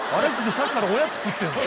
さっきからおやつ食ってんだよ。